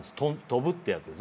飛ぶってやつ。